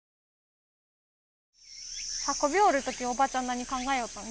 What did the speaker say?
運びよる時おばちゃん何考えよったん？